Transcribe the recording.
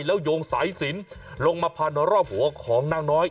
แล้วโยงสายสินลงมาพันรอบหัวของนางน้อย